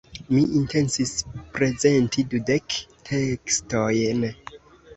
Mi intencis prezenti dudek tekstojn.